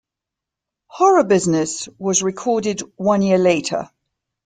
"Horror Business" was recorded one year later.